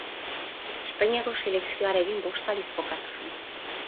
Espainiako selekzioarekin bost aldiz jokatu zuen.